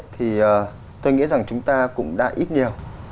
thì tôi nghĩ rằng chúng ta cũng đã ít nhiều